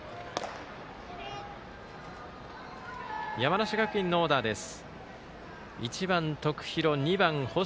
山梨学院のオーダーです。